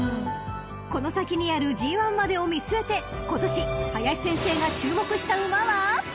［この先にあるＧⅠまでを見据えて今年林先生が注目した馬は］